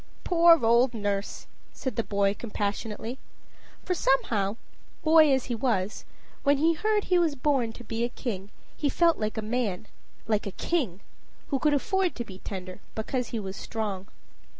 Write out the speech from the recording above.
"Poor old nurse!" said the boy compassionately. For somehow, boy as he was, when he heard he was born to be a king, he felt like a man like a king who could afford to be tender because he was strong.